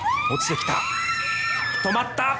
落ちてきた。